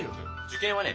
受験はね